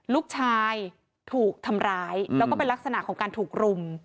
ลูกชายถูกทำร้ายแล้วก็เป็นลักษณะของการถูกรุม